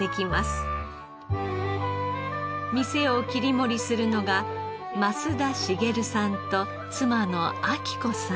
店を切り盛りするのが増田繁さんと妻の昭子さん。